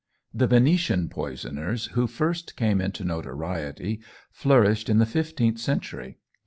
The Venetian poisoners who first came into notoriety, flourished in the fifteenth century.